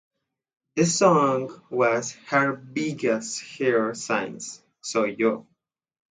The song was her biggest hit since "Soy Yo".